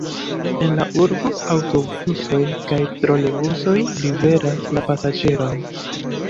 En la urbo aŭtobusoj kaj trolebusoj liveras la pasaĝerojn.